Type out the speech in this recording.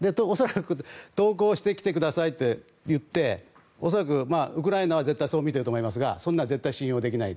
投降してきてくださいと言って、恐らくウクライナはそう見ていると思いますが信用していない。